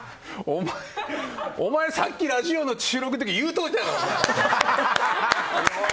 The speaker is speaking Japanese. お前お前、さっきラジオの収録の時言うといたろ！